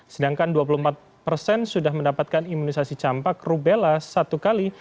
sedangkan dua puluh empat persen sudah mendapatkan imunisasi campak rubella satu kali